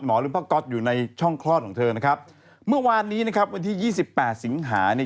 หมอลืมผ้าก๊อตอยู่ในช่องคลอดของเธอนะครับเมื่อวานนี้นะครับวันที่๒๘สิงหา